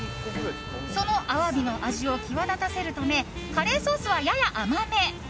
そのアワビの味を際立たせるためカレーソースは、やや甘め。